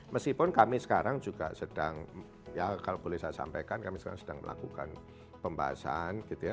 meskipun kami sekarang juga sedang ya kalau boleh saya sampaikan kami sekarang sedang melakukan pembahasan gitu ya